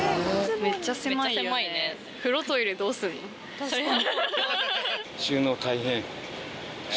確かに。